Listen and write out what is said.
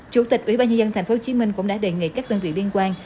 chủ tịch quỹ ban nhân dân tp hcm cũng đã đề nghị các tân vị liên quan